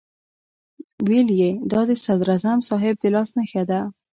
ویل یې دا د صدراعظم صاحب د لاس نښه ده.